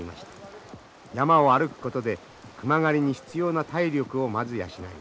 山を歩くことで熊狩りに必要な体力をまず養います。